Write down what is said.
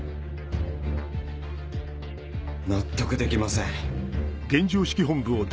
納得できません。